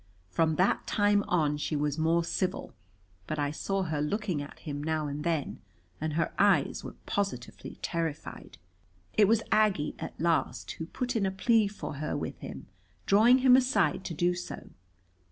From that time on she was more civil, but I saw her looking at him now and then, and her eyes were positively terrified. It was Aggie, at last, who put in a plea for her with him, drawing him aside to do so.